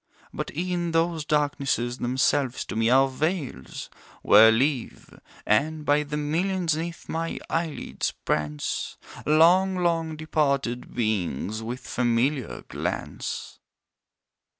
But e'en those darknesses themselves to me are veils, Where live and, by the millions 'neath my eyelids prance, Long, long departed Beings with familiar glance.